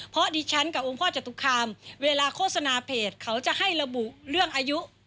เพราะดิฉันกับองค์พ่อจตุคามเวลาโฆษณาเพจเขาจะให้ระบุเรื่องอายุ